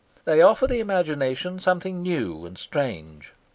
They offer the imagination something new and strange.